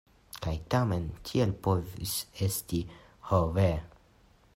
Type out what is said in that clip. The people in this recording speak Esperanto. Kaj tamen tiel povis esti: ho ve!